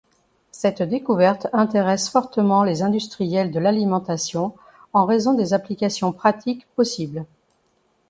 Cette découverte intéresse fortement les industriels de l'alimentation en raison des applications pratiques possibles.